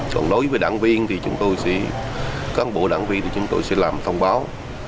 còn đối với đảng viên thì chúng tôi sẽ các ông bộ đảng viên thì chúng tôi sẽ làm thông báo